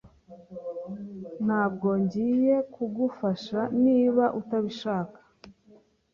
Ntabwo ngiye kugufasha niba utabishaka.